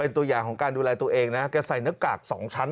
เอาไว้ระวังเอาไว้ก่อน